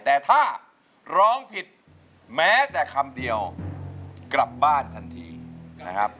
แต่ถ้าร้องผิดแม้แต่คำเดียวกลับบ้านทันทีนะครับ